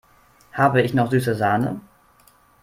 Habe ich noch süße Sahne?